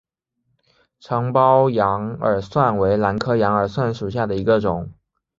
长苞羊耳蒜为兰科羊耳蒜属下的一个种。